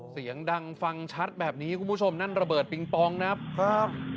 เสียงดังฟังชัดแบบนี้คุณผู้ชมนั่นระเบิดปิงปองนะครับครับ